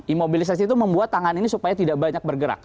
imobilisasi itu membuat tangan ini supaya tidak banyak bergerak